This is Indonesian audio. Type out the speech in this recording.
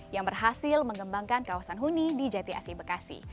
yang berhasil mengembangkan kawasan huni di jati asih bekasi